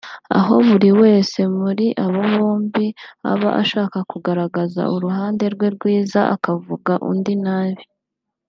aho buri wese muri ababombi aba ashaka kugaragaza uruhande rwe rwiza akavuga undi nabi